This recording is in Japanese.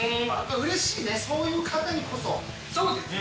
うれしいね、そういう方にこそうですね。